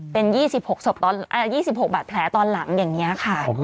เป็น๒๖ศพ๒๖บาดแผลตอนหลังอย่างนี้ค่ะ